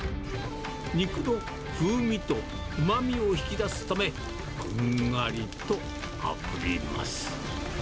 肉の風味とうまみを引き出すため、こんがりとあぶります。